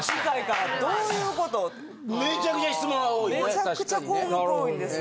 めちゃくちゃ項目多いんですよ。